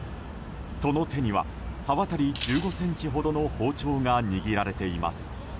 その手には刃渡り１５ｃｍほどの包丁が握られています。